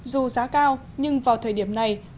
dù giá cao nhưng vào thời điểm này